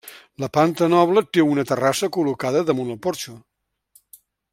La planta noble té una terrassa col·locada damunt el porxo.